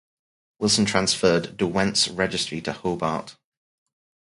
Wilson transferred "Derwent"s registry to Hobart.